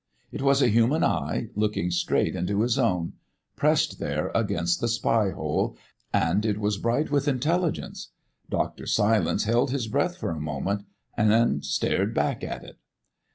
It was a human eye, looking straight into his own, pressed there against the spy hole. And it was bright with intelligence. Dr. Silence held his breath for a moment and stared back at it.